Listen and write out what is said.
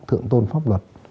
thượng tôn pháp luật